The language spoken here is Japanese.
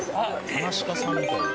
噺家さんみたい。